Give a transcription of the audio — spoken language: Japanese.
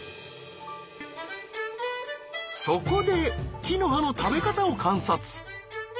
そこで木の葉の食べ方を観察。